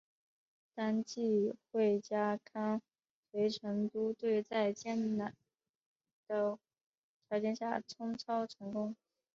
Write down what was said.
当季惠家康随成都队在艰苦的条件下冲超成功。